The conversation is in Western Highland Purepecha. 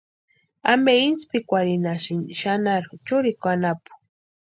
¿Ampe intspikwarhinhasïni xanharu churikwa anapu?